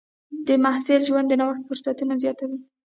د محصل ژوند د نوښت فرصتونه زیاتوي.